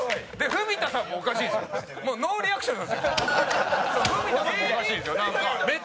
文田さんもおかしいんですよなんか。